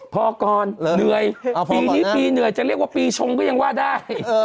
พอก่อนเหนื่อยปีนี้ปีเหนื่อยจะเรียกว่าปีชงก็ยังว่าได้